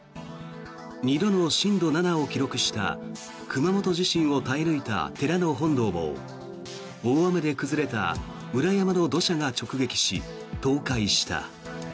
２度の震度７を記録した熊本地震を耐え抜いた寺の本堂も大雨で崩れた裏山の土砂が直撃し倒壊した。